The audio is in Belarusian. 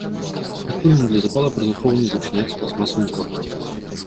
Адтуліна для запала пры захоўванні зачыняецца пластмасавым коркам.